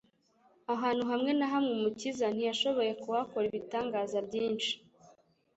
Ahantu hamwe na hamwe, Umukiza ntiyashoboye kuhakora ibitangaza byinshi,